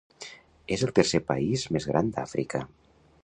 És el tercer país més gran d'Àfrica.